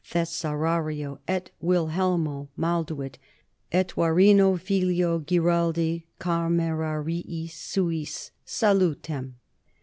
thesaurario et Willelmo Malduit et Warino filio Giroldi camerariis suis salutem.